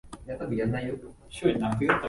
札幌市西区